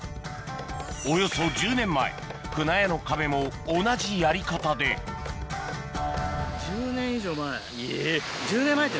およそ１０年前舟屋の壁も同じやり方で１０年以上前。